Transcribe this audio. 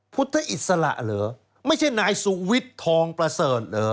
พุทธอิสระเหรอไม่ใช่นายสุวิทย์ทองประเสริฐเหรอ